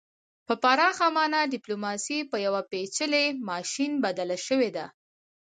په پراخه مانا ډیپلوماسي په یو پیچلي ماشین بدله شوې ده